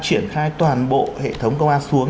triển khai toàn bộ hệ thống công an xuống